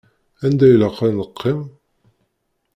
Anda ilaq ad neqqim?